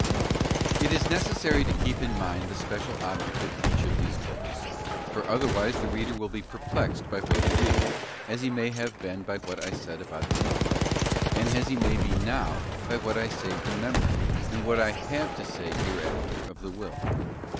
T is necessary to keep in mind the special object of each of these books; for otherwise the reader will be perplexed by what he reads, as he may have been by what I said about the Intellect, and as he may be now by what I say of the Memory, and what I have to say hereafter of the Will.